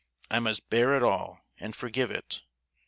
I must bear it all, and forgive it.